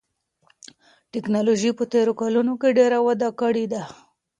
تکنالوژي په تېرو کلونو کې ډېره وده کړې ده.